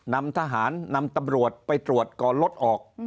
นำทหารนำตำรวจไปตรวจก่อนลดออก